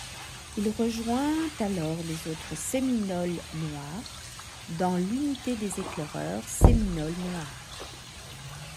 Il rejoint alors les autres Séminoles noirs dans l'unité des éclaireurs séminoles noirs.